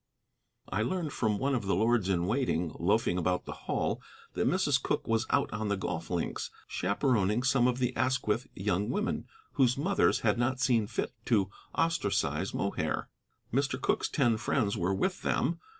I learned from one of the lords in waiting loafing about the hall that Mrs. Cooke was out on the golf links, chaperoning some of the Asquith young women whose mothers had not seen fit to ostracize Mohair. Mr. Cooke's ten friends were with them.